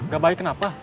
gak baik kenapa